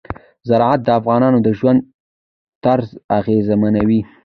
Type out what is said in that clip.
زراعت د افغانانو د ژوند طرز اغېزمنوي.